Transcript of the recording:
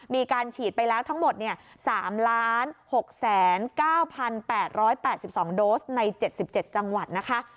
มีการฉีดไปแล้วทั้งหมด๓๖๙๘๘๒โดสใน๗๗จังหวัดนะคะ